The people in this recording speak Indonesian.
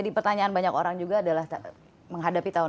di keuangan syariah itu melalui penerbitan sukuk